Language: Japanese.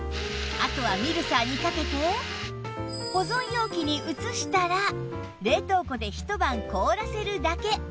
あとはミルサーにかけて保存容器に移したら冷凍庫でひと晩凍らせるだけ